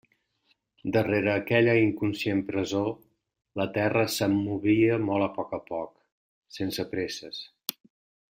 Darrere aquella inconscient presó, la terra se'm movia molt a poc a poc, sense presses.